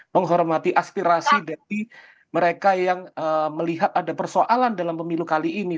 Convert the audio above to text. menghormati aspirasi dari mereka yang melihat ada persoalan dalam pemilu kali ini